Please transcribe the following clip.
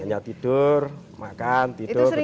mereka tidur makan tidur tidur makan